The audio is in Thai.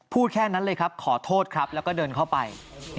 พูดแค่นั้นเลยครับขอโทษครับแล้วก็เดินเข้าไป